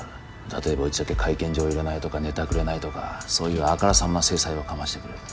例えばうちだけ会見場入れないとかネタくれないとかそういうあからさまな制裁をかましてくる。